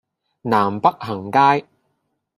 南北行街